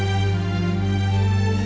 aku mau ke sana